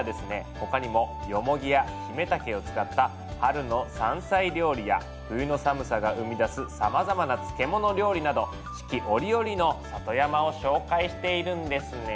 他にもヨモギやヒメタケを使った春の山菜料理や冬の寒さが生み出すさまざまな漬物料理など四季折々の里山を紹介しているんですね。